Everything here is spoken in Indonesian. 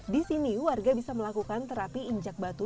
di sini warga bisa melakukan terapi injak batu